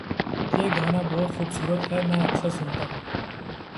یہ گانا بہت خوبصورت ہے، میں اکثر سنتا ہوں